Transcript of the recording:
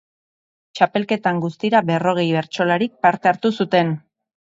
Txapelketan guztira berrogei bertsolarik parte hartu zuten.